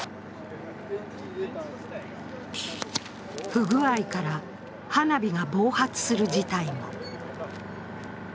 不具合から花火が暴発する事態も。